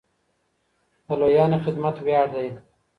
د لويانو خدمت وياړ دی.